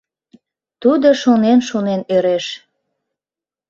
Тудо шонен-шонен ӧреш.